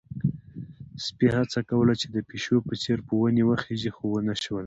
سپي هڅه کوله چې د پيشو په څېر په ونې وخيژي، خو ونه شول.